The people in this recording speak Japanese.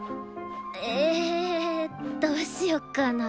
えどうしよっかな。